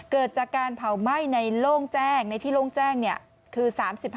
เกิดจากการเผาไหม้ในโล่งแจ้งในที่โล่งแจ้งคือ๓๕